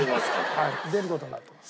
はい出る事になってます。